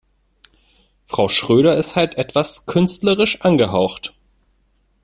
Frau Schröder ist halt etwas künstlerisch angehaucht.